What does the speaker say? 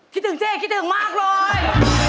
คิดถึงสิคิดถึงมากเลย